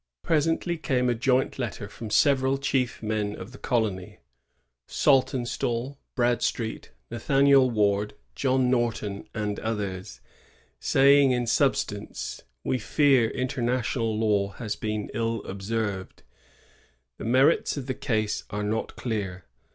Presently came a joint letter from several chief men of the colony, — Saltonstall, Bradstreet, Nathaniel Ward, John Norton, and others, — saying in sub stance: We fear international law has been ill observed; the merits of the case are not clear; we 1648.